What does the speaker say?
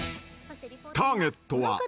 ［ターゲットは］